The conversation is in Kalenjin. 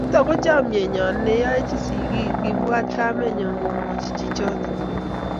Nito chamenyo ak yaenyi sigik, kiibwat kamenyi komwoch chichoto